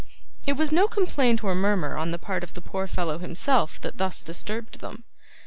It was no complaint or murmur on the part of the poor fellow himself that thus disturbed them.